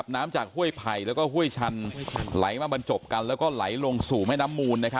น้ำจากห้วยไผ่แล้วก็ห้วยชันไหลมาบรรจบกันแล้วก็ไหลลงสู่แม่น้ำมูล